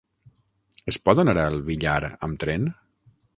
Es pot anar al Villar amb tren?